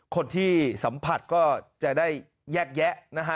คนที่สัมผัสก็จะได้แยกแยะนะฮะ